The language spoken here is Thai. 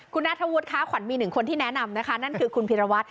คุณนัทธวุฒิคะขวัญมีหนึ่งคนที่แนะนำนะคะนั่นคือคุณพิรวัตร